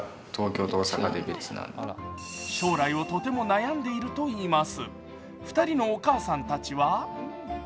将来をとても悩んでいるといいます。